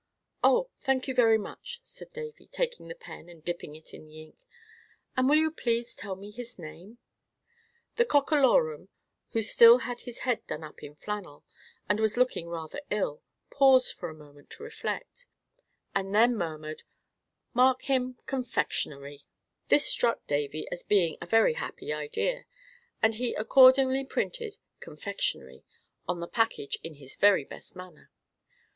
"Oh! thank you very much," said Davy, taking the pen and dipping it in the ink. "And will you please tell me his name?" The Cockalorum, who still had his head done up in flannel, and was looking rather ill, paused for a moment to reflect, and then murmured, "Mark him 'Confectionery.'" [Illustration: "THE COCKALORUM CAREFULLY INSPECTED THE MARKING."] This struck Davy as being a very happy idea, and he accordingly printed "CONFEXIONRY" on the package in his very best manner.